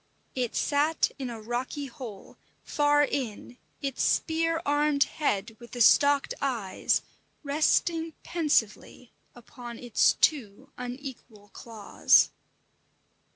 It sat in a rocky hole, far in, its spear armed head with the stalked eyes resting pensively upon its two unequal claws.